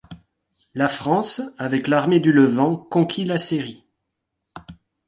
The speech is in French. La France, avec l'Armée du Levant, conquit la Syrie.